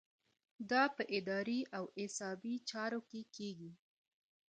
دا په اداري او حسابي چارو کې کیږي.